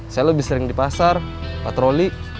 saya lebih sering di pasar patroli